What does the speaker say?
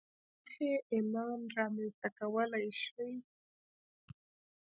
چې له مخې يې ايمان رامنځته کولای شئ.